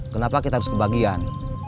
kenapa kita harus kebagian